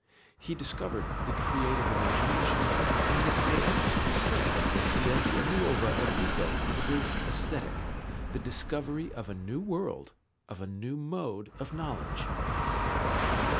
He discovered the creative imagination, and it may almost be said of the Scienza nuova of Vico that it is Aesthetic, the discovery of a new world, of a new mode of knowledge.